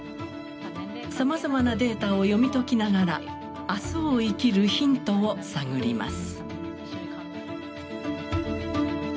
さまざまなデータを読み解きながら明日を生きるヒントを探ります。